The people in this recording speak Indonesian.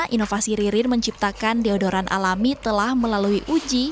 inovasi ririn menciptakan deodoran alami telah melalui uji